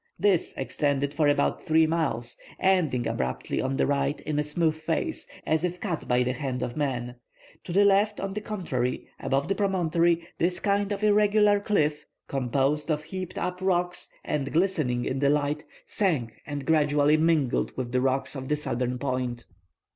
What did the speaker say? This extended for about three miles, ending abruptly on the right in a smooth face, as if cut by the hand of man. To the left on the contrary, above the promontory, this kind of irregular cliff, composed of heaped up rocks and glistening in the light, sank and gradually mingled with the rocks of the southern point.